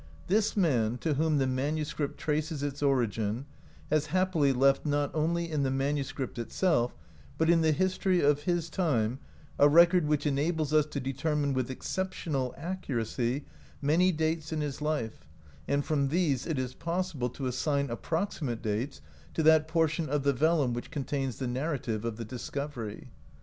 This man, to whom the manuscript traces its origin, has, happily, left, not only in the manuscript itself, but in the history of his time, a record which enables us to determine, with exceptional accuracy, many dates in his life, and from these it is possible to assign approximate dates to that portion of the vellum which contains the narrative of the discovery.